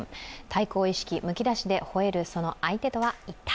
対抗意識むき出しで、ほえるその相手とは一体？